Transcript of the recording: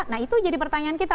nah itu jadi pertanyaan kita